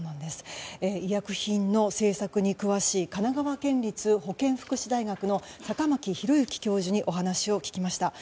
医薬品の政策に詳しい神奈川県立保健福祉大学の坂巻弘之教授にお話を聞きました。